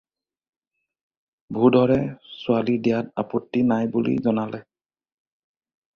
ভূধৰে ছোৱালী দিয়াত আপত্তি নাই বুলি জনালে।